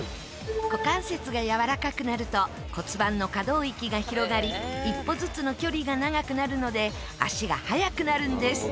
股関節がやわらかくなると骨盤の可動域が広がり１歩ずつの距離が長くなるので足が速くなるんです。